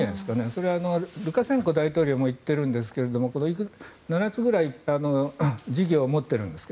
それはルカシェンコ大統領も言ってるんですけど７つくらい事業を持ってるんですね。